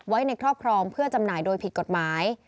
ไว้ในครอบครองเพื่อจำหน่ายโดยผิดกฎหมาย